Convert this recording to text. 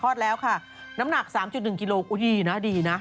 คลอดแล้วค่ะน้ำหนัก๓๑กิโลกรัมอุ๊ยดีนะดีนะ